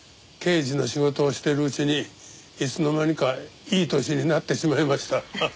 刑事の仕事をしてるうちにいつの間にかいい年になってしまいました。